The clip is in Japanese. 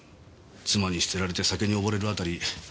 妻に捨てられて酒に溺れるあたり